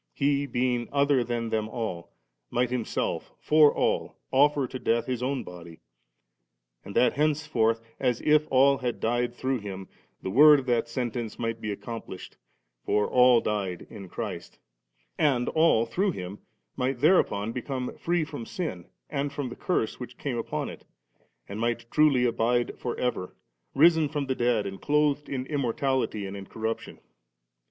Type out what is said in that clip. He, being other than them all, might Himself for all ofier to death His own bcxly; and that hence forth, as if all had died through Him, the word of that sentence might be accomplished (for 'all died*' in Christ), and all through Him might thereupon become free from sin and from the curse which came upon it, and might truly abides for ever, risen from the dead and clothed in immortal!^ and incorruption.